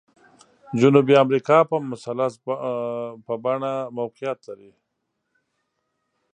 جنوبي امریکا په مثلث په بڼه موقعیت لري.